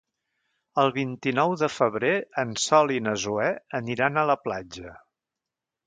El vint-i-nou de febrer en Sol i na Zoè aniran a la platja.